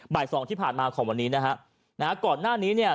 บ่ายสองที่ผ่านมาของวันนี้นะฮะนะฮะก่อนหน้านี้เนี่ย